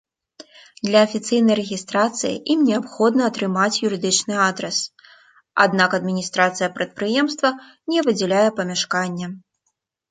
Для афіцыйнай рэгістрацыі ім неабходна атрымаць юрыдычны адрас, аднак адміністрацыя прадпрыемства не выдзяляе памяшкання.